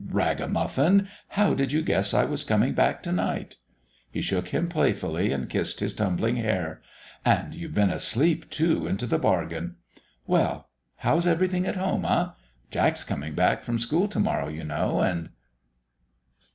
"Ragamuffin! How did you guess I was coming back to night?" He shook him playfully and kissed his tumbling hair. "And you've been asleep, too, into the bargain. Well how's everything at home eh? Jack's coming back from school to morrow, you know, and